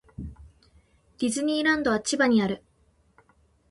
ディズニーランドは千葉にある。